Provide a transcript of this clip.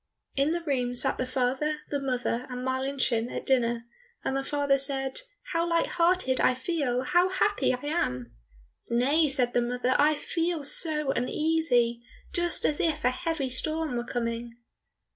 In the room sat the father, the mother, and Marlinchen at dinner, and the father said, "How light hearted I feel, how happy I am!" "Nay," said the mother, "I feel so uneasy, just as if a heavy storm were coming."